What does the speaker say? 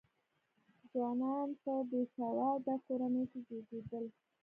ځوانان په بې سواده کورنیو کې زېږېدل.